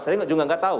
saya juga nggak tahu